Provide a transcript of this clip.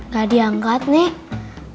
gak diangkat nek